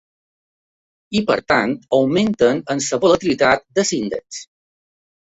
I per tant, augmenten amb la volatilitat de l'índex.